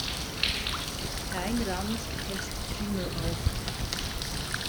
Kein Rand hält die Krümel auf.